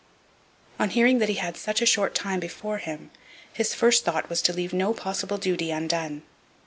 On hearing that he had such a short time before him his first thought was to leave no possible duty undone.